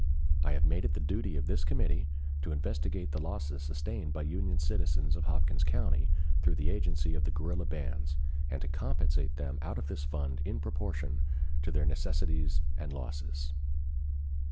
I have made it the duty of this committee to investigate the losses sustained by Union citizens of Hopkins County through the agency of the guerrilla bands, and to compensate them out of this fund in proportion to their necessities and losses."